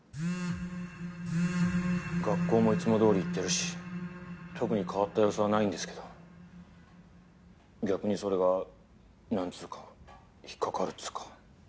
学校もいつもどおり行ってるし特に変わった様子はないんですけど逆にそれがなんつーか引っかかるっつーか。